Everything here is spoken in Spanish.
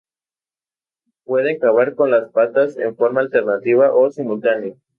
Pueden cavar con las patas en forma alternativa o simultánea.